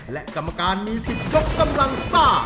และกรรมการมีสิทธิ์ยกกำลังซ่า